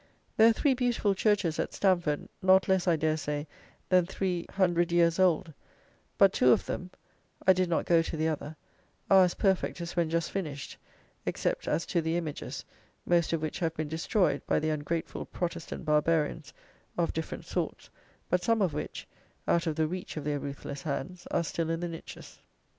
There are three beautiful churches at Stamford, not less, I dare say, than three [quære] hundred years old; but two of them (I did not go to the other) are as perfect as when just finished, except as to the images, most of which have been destroyed by the ungrateful Protestant barbarians, of different sorts, but some of which (out of the reach of their ruthless hands) are still in the niches.